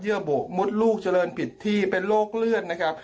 ระบุมดลูกเจริญผิดที่เป็นโรคเลือดนะครับ